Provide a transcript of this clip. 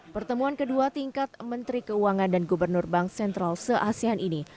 pertemuan kedua tingkat menteri keuangan dan gubernur bank sentral se asean ini